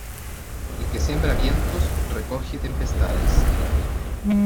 El que siembra vientos recoge tempestades.